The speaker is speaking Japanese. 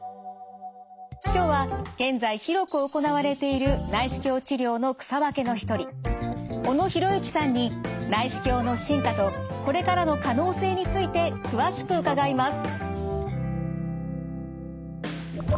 今日は現在広く行われている内視鏡治療の草分けの一人小野裕之さんに内視鏡の進化とこれからの可能性について詳しく伺います。